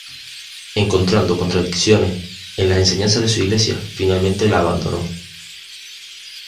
Encontrando contradicciones en las enseñanzas de su iglesia, finalmente la abandonó.